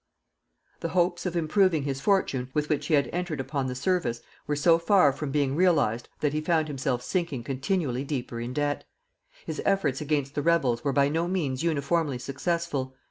The hopes of improving his fortune, with which he had entered upon the service, were so far from being realized that he found himself sinking continually deeper in debt. His efforts against the rebels were by no means uniformly successful.